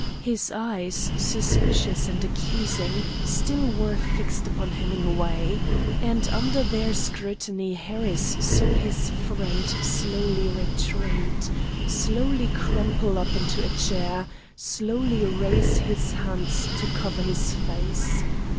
His eyes, suspicious and accusing, still were fixed upon Hemingway, and under their scrutiny Harris saw his friend slowly retreat, slowly crumple up into a chair, slowly raise his hands to cover his face.